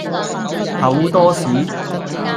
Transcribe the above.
厚多士